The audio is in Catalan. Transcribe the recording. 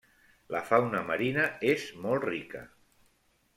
La fauna marina és molt rica.